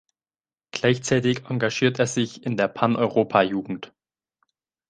Gleichzeitig engagierte er sich in der Paneuropa-Jugend.